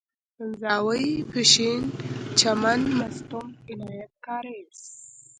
سنځاوۍ، پښين، چمن، مستونگ، عنايت کارېز